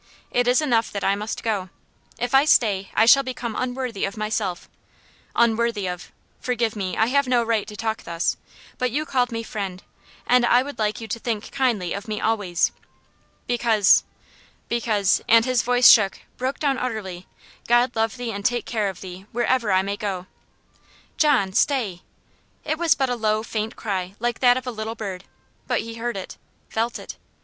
It is enough that I must go. If I stay I shall become unworthy of myself, unworthy of Forgive me, I have no right to talk thus; but you called me 'friend,' and I would like you to think kindly of me always. Because because " and his voice shook broke down utterly. "God love thee and take care of thee, wherever I may go!" "John, stay!" It was but a low, faint cry, like that of a little bird. But he heard it felt it.